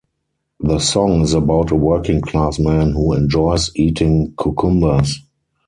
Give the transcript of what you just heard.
The song is about a working-class man who enjoys eating cucumbers.